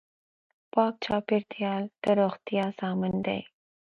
پاک چاپېریال د روغتیا ضامن دی.